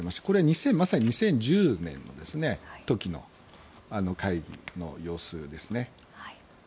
これはまさに２０１０年の時の会議の様子ですね。